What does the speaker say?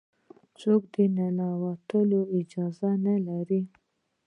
څوک د ننوتلو اجازه نه لري.